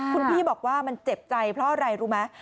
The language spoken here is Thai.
คุณพี่บอกว่ามันเจ็บใจเพราะอะไรรู้ไหม